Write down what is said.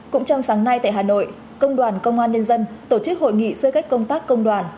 cũng trong sáng nay tại hà nội công đoàn công an nhân dân tổ chức hội nghị sơ kết công tác công đoàn